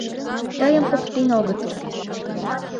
Тыйым поктен огытыл?